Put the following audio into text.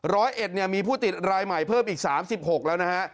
ร้อยเอ็ดเนี่ยมีผู้ติดรายใหม่เพิ่มอีก๓๖แล้วนะฮะ